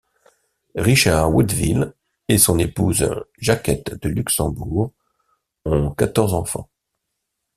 Richard Woodville et son épouse Jacquette de Luxembourg ont quatorze enfants.